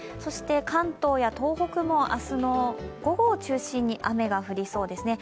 関東や東北も明日の午後を中心に雨が降りそうですね。